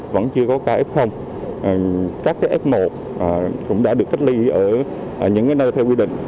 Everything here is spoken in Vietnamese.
vẫn chưa có ca f các f một cũng đã được cách ly ở những nơi theo quy định